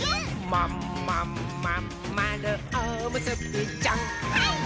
「まんまんまんまるおむすびちゃん」はいっ！